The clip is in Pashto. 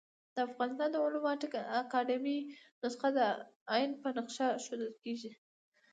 د افغانستان د علومو اکاډيمۍ نسخه د ع په نخښه ښوول کېږي.